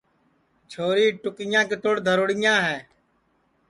چھوری ٹُکیاں کِتوڑ دھروڑیاں ہے